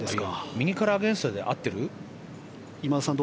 右からアゲンストで合ってる？